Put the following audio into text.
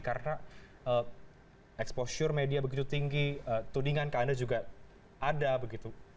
karena exposure media begitu tinggi tudingan ke anda juga ada begitu